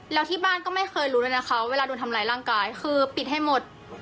แล้วที่บ้านก็ไม่เคยรู้เลยนะคะเวลาโดนทำร้ายร่างกายคือปิดให้หมด